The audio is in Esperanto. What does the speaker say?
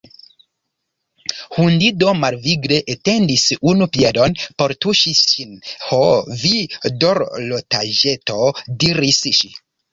Hundido malvigle etendis unu piedon por tuŝi ŝin. "Ho, vi dorlotaĵeto," diris ŝi.